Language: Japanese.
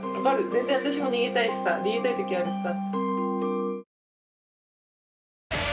全然私も逃げたいしさ逃げたいときあるしさ。